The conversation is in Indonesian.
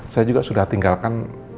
saya juga sudah tinggalkan